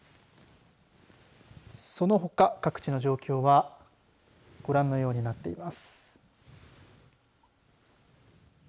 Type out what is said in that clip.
そのほか各地の状況はご覧のようになっています。